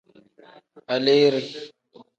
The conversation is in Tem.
Aleere.